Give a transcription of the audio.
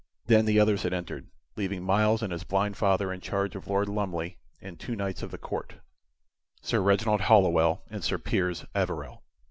Then the others had entered, leaving Myles and his blind father in charge of Lord Lumley and two knights of the court, Sir Reginald Hallowell and Sir Piers Averell.